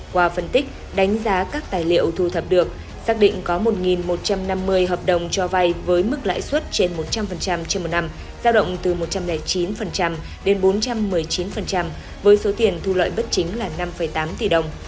qua phân tích đánh giá các tài liệu thu thập được xác định có một một trăm năm mươi hợp đồng cho vay với mức lãi suất trên một trăm linh trên một năm giao động từ một trăm linh chín đến bốn trăm một mươi chín với số tiền thu lợi bất chính là năm tám tỷ đồng